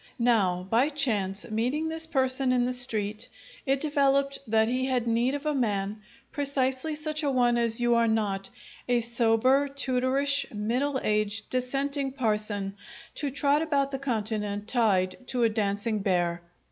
Now, by chance, meeting this person in the street, it developed that he had need of a man, precisely such a one as you are not: a sober, tutorish, middle aged, dissenting parson, to trot about the Continent tied to a dancing bear.